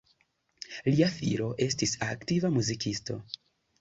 Lia filo estis aktiva muzikisto.